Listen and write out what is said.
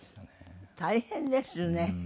大変ですね。